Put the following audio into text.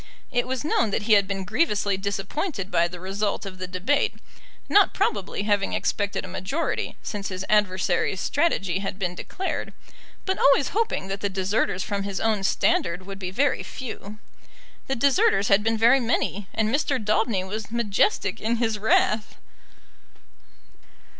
It was known that he had been grievously disappointed by the result of the debate, not probably having expected a majority since his adversary's strategy had been declared, but always hoping that the deserters from his own standard would be very few. The deserters had been very many, and Mr. Daubeny was majestic in his wrath.